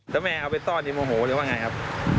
แล้วแม่เอาไปซ่อนยังโมโหหรือว่าไงครับ